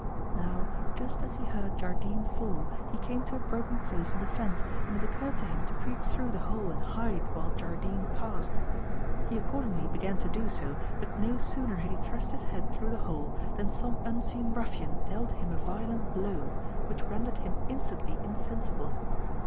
"Now, just as he heard Jardine fall, he came to a broken place in the fence, and it occurred to him to creep through the hole and hide while Jardine passed. He accordingly began to do so, but no sooner had he thrust his head through the hole than some unseen ruffian dealt him a violent blow which rendered him instantly insensible.